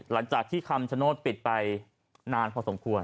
หลังจากที่คำชโนธปิดไปนานพอสมควร